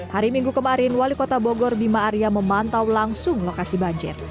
hari minggu kemarin wali kota bogor bima arya memantau langsung lokasi banjir